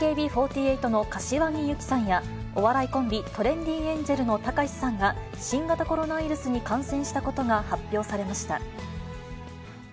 ＡＫＢ４８の柏木由紀さんや、お笑いコンビ、トレンディエンジェルのたかしさんが、新型コロナウイルスに感染したことが発表されました。